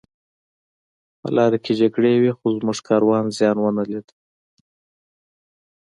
په لاره کې جګړې وې خو زموږ کاروان زیان ونه لید